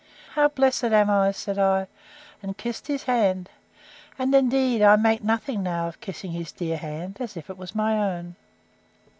How blessed am I! said I, and kissed his hand.—And indeed I make nothing now of kissing his dear hand, as if it was my own!